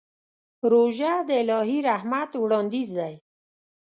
روژه د الهي رحمت وړاندیز دی.